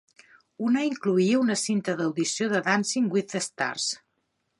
Una incloïa una cinta d'audició de Dancing with the Stars.